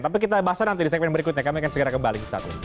tapi kita bahas nanti di segmen berikutnya kami akan segera kembali